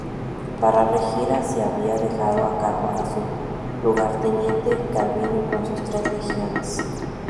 Para regir Asia había dejado a cargo a su lugarteniente Calvino con tres legiones.